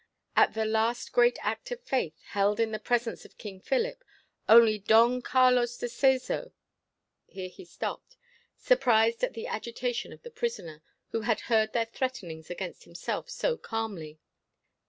At the last great Act of Faith, held in the presence of King Philip, only Don Carlos de Seso " Here he stopped, surprised at the agitation of the prisoner, who had heard their threatenings against himself so calmly.